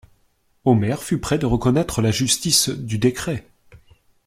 Omer fut près de reconnaître la justice du décret.